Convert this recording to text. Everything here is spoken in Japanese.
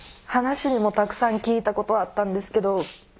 話にもたくさん聞いたことはあったんですけど